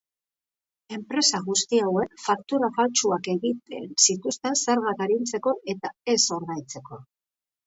Enpresa guzti hauek faktura faltsuak egiten zituzten zergak arintzeko eta ez ordaintzeko.